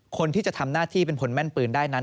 คนที่จะทำหน้าที่เป็นคนแม่นปืนได้นั้น